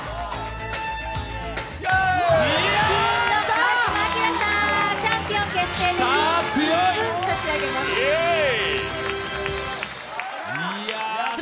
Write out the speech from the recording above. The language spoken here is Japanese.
川島明さん、チャンピオン決定です！